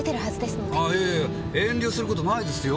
あいやいや遠慮する事ないですよ？